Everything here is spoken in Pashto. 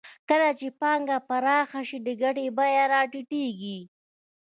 کله چې پانګه پراخه شي د ګټې بیه راټیټېږي